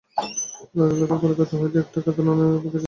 রাজলক্ষ্মী কলিকাতা হইতে একটা কাতর অনুনয়পত্রের অপেক্ষায় ছিলেন।